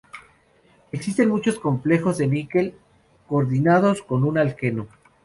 Existen muchos complejos de níquel coordinados con un alqueno.